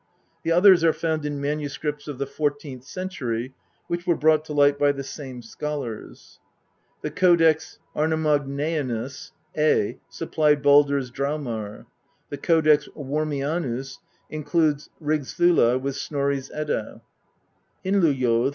The others are found in MSS. of the fourteenth century, which were brought to light by the same scholars. The Codex Arnamagnaeanus (A) supplied Baldrs Draumar ; the Codex Wormianus includes Rigs ]mla with Snorri's Edda; Hyndluljo)?